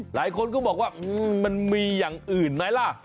หลายคนก็บอกว่ามันมีอย่างอื่นไหมล่ะ